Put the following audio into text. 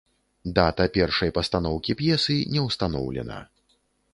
Дата першай пастаноўкі п'есы не ўстаноўлена.